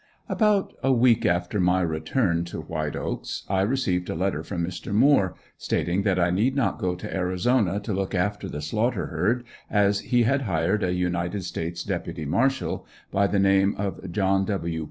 About a week after my return to White Oaks, I received a letter from Mr. Moore stating that I need not go to Arizona to look after the Slaughter herd as he had hired a United States Deputy Marshal by the name of John W.